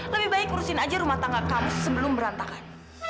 lebih baik ngurusin aja rumah tangga kamu sebelum berantakan